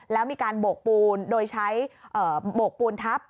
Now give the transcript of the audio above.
แล้วมีการโบกปูนโดยใช้โบกปูนทับ